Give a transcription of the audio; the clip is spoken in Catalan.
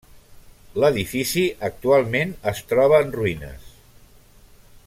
L'edifici actualment es troba en ruïnes.